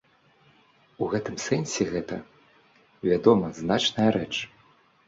У гэтым сэнсе гэта, вядома, значная рэч.